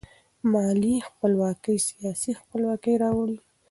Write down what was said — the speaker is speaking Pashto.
مالي خپلواکي سیاسي خپلواکي راوړي.